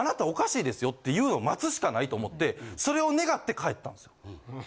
おかしいですよって言うの待つしかないと思ってそれを願って帰ったんですよ。